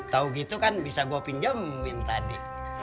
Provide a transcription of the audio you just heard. tau gitu kan bisa gua pinjemin tadi